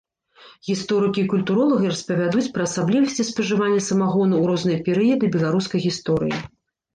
Гісторыкі і культуролагі распавядуць пра асаблівасці спажывання самагону ў розныя перыяды беларускай гісторыі.